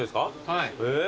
はい。